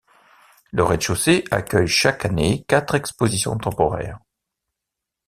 Le rez-de-chaussée accueille chaque année quatre expositions temporaires.